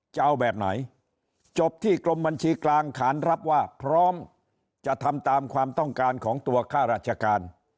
จะเอาแบบไหนจบที่กรมบัญชีกลางขานรับว่าพร้อมจะทำตามความต้องการของตัวค่าราชการ